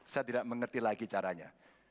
saya tidak mengerti lagi caranya